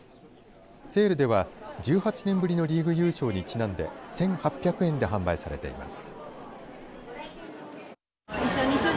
セールでは１８年ぶりのリーグ優勝にちなんで１８００円で販売されています。